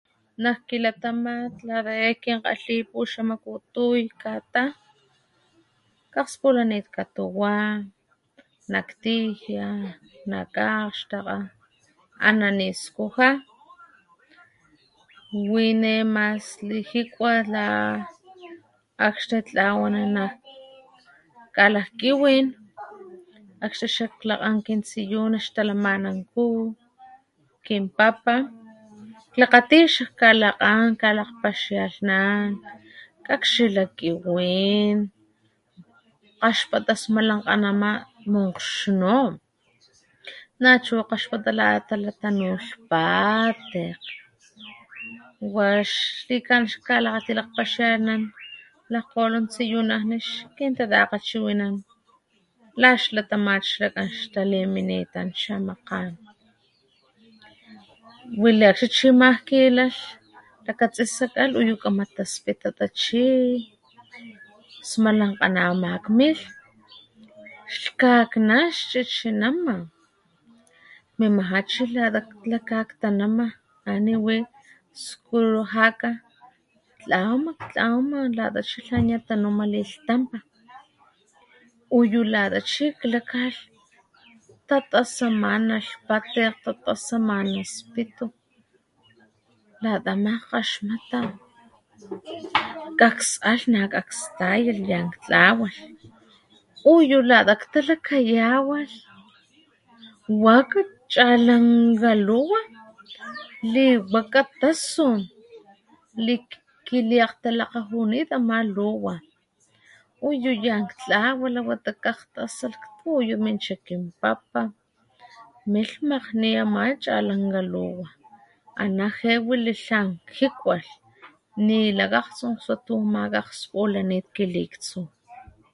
Nak kilatamat lakgae kan kalhi puxamaputuy katá kgaspulanit katuwá nak tijia nak kgaxtakga aná ni skuja wi nema slijikwa la akxtatlawananá kalakiwin akgtsi xak lakgla kintsiyuna laxtalamananpu kinpapa klakgati xakalankga anakgpali paxi ankgan kakxilh lakiwín kgaxpata smanalakgama maxnun nachu akgkgaxpata latalata nu xpati wax xli kan lakgati anan paxianan nakgolon tsiyuna nix kin tita nin la xlatamax kgali liminitan chamakgan wili akgchichi maki lax takatsis ama luyu taspita tachi sma nakganamanmilh xkgaxná chichinama mamaja chiki likialtanama ani win skulujaka tlamak tlama lata xamitutalumalitama uyu lata chik lakgalh tatasamana spati tatasamana spitu latama kgaxmata taks ak nakstay yantlawalh uyu latalh talakayawalh wa kgachalanga luwa li wakatasu lik kiliakgtalapunit amá tapuluwan uyu yan tlawi la wata ka ta tasak puyu min cha kinpapa nik malhni ama kgchalanga luwa ala ge wili lhanjikwal ni lakgatsun sa tu makgaspulanit kilitsu